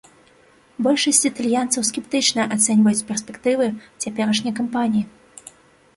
Большасць італьянцаў скептычна ацэньваюць перспектывы цяперашняй кампаніі.